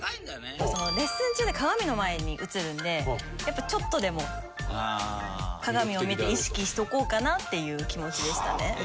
レッスン中って鏡の前に映るのでやっぱちょっとでも鏡を見て意識しとこうかなっていう気持ちでしたね。